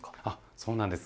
そうなんです。